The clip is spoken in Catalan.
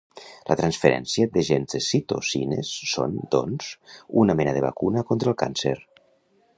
La transferència de gens de citocines són, doncs, una mena de vacuna contra el càncer.